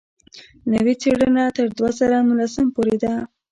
نوې څېړنه تر دوه زره نولسم پورې ده.